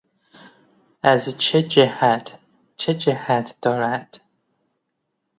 ازچه جهت ـ چه جهت دارد